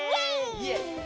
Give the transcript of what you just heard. イエーイ！